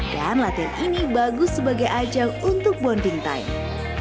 dan latihan ini bagus sebagai ajang untuk bonding time